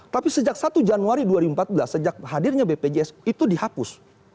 tapi sejak satu januari dua ribu empat belas sejak hadirnya bpjs itu dihapus